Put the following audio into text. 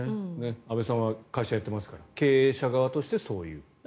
安部さんは会社をやっていますから経営者側としてそういう。